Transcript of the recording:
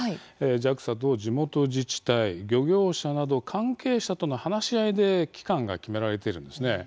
ＪＡＸＡと地元自治体漁業者など関係者との話し合いで期間が決められているんですね。